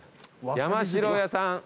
山城屋さん。